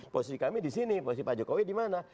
posisi kami di sini posisi pak jokowi di mana